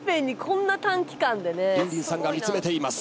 リンリンさんが見つめています。